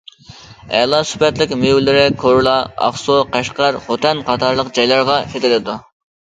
ئەلا سۈپەتلىك مېۋىلىرى كورلا، ئاقسۇ، قەشقەر، خوتەن قاتارلىق جايلارغا سېتىلىدۇ.